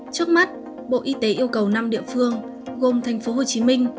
trước mắt bộ y tế yêu cầu năm địa phương gồm thành phố hồ chí minh